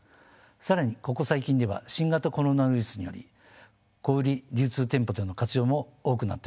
更にここ最近では新型コロナウイルスにより小売り流通店舗での活用も多くなっております。